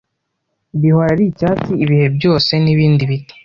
bihora ari icyatsi ibihe byose n’ibindi biti